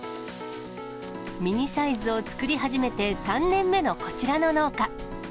ミニサイズを作り始めて３年目のこちらの農家。